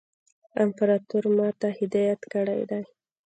امپراطور ما ته هدایت کړی دی.